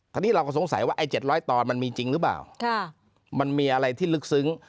คราวนี้เราก็สงสัยว่าไอ้เจ็ดร้อยต่อมันมีจริงหรือเปล่าค่ะมันมีอะไรที่ลึกซึ้ง